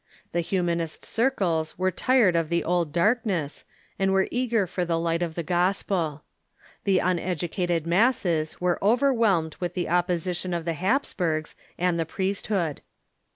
The Iliunanist circles were tired of tlie old darkness, and were eager for the light of the gospel. The uneducated masses were over whelmed with the oppression of the Hapsburgs and the priest hood.